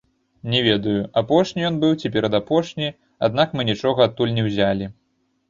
Не ведаю, апошні ён быў ці перадапошні, аднак мы нічога адтуль не ўзялі.